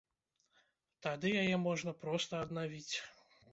Тады яе можна проста аднавіць.